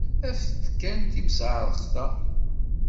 Af-d kan timseɛṛeqt-a!